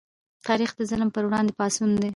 تاریخ د ظلم پر وړاندې پاڅون دی.